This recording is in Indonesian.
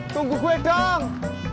tunggu gue dong